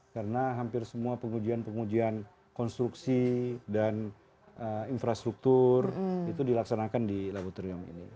karena hampir semua pengujian pengujian konstruksi dan infrastruktur itu dilaksanakan di laboratorium ini